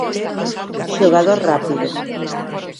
Xogador rápido.